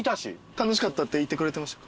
楽しかったって言ってくれてました？